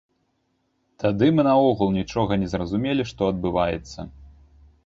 Тады мы наогул нічога не зразумелі, што адбываецца!